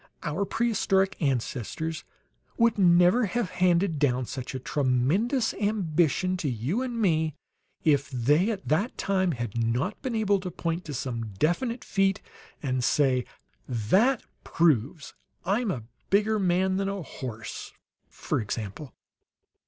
"Our prehistoric ancestors would never have handed down such a tremendous ambition to you and me if they, at that time, had not been able to point to some definite feat and say, 'That proves I'm a bigger man than a horse,' for example."